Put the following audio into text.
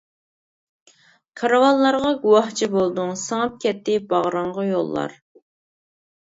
كارۋانلارغا گۇۋاھچى بولدۇڭ، سىڭىپ كەتتى باغرىڭغا يوللار.